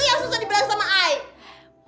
yang susah dibilang sama aku